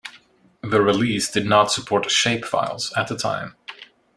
The release did not support Shapefiles at the time.